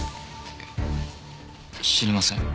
知りません。